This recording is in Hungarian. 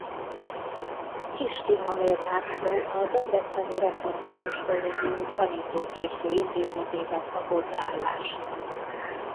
Kiss Tihamér László a debreceni Református Kollégium Tanítóképző Intézetében kapott állást.